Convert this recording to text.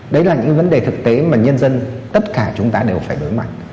đấy là những vấn đề thực tế mà nhân dân tất cả chúng ta đều phải đối mặt